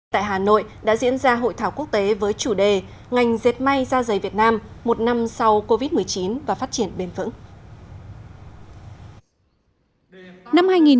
tại hà nội đã diễn ra hội thảo quốc tế với chủ đề ngành dệt may ra dày việt nam một năm sau covid một mươi chín và phát triển bền vững